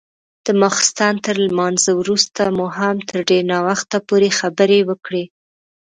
د ماخستن تر لمانځه وروسته مو هم تر ډېر ناوخته پورې خبرې وکړې.